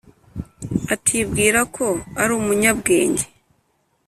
atibwira ko ari umunyabwenge